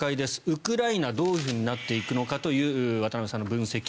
ウクライナ、どういうふうになっていくのかという渡部さんの分析。